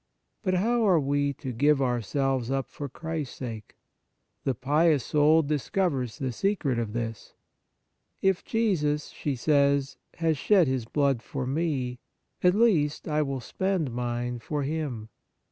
But how are we to give ourselves up for Christ's sake ? The pious soul discovers the secret of this :" If Jesus," she says, " has shed His blood for me, at least, * Gal. ii. 20. 140 The Fruits of Piety I will spend mine for Him.